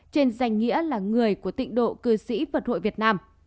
trên danh nghĩa là người của tịnh độ cư sĩ phật hội việt nam